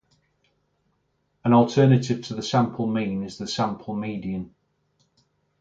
An alternative to the sample mean is the sample median.